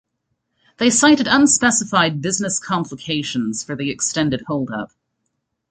They cited unspecified "business complications" for the extended hold up.